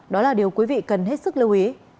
đó là điều quý vị cần hết sức lưu ý